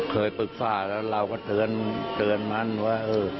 เคยปรึกษาแล้วเราก็เตือนมันว่า